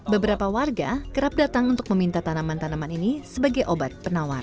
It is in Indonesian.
beberapa warga kerap datang untuk meminta tanaman tanaman ini sebagai obat penawar